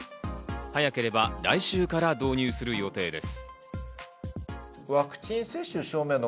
早ければ来週から導入する予定です。